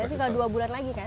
tapi kalau dua bulan lagi kan